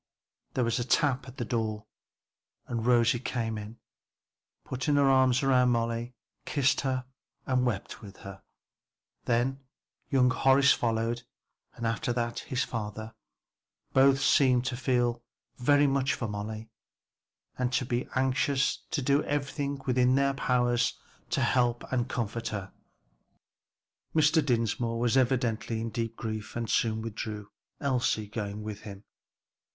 There was a tap at the door and Rosie came in, put her arms round Molly, kissed her and wept with her. Then young Horace followed and after that his father. Both seemed to feel very much for Molly and to be anxious to do everything in their power to help and comfort her. Mr. Dinsmore was evidently in deep grief and soon withdrew, Elsie going with him.